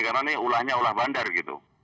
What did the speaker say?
karena ini ulahnya ulah bandar gitu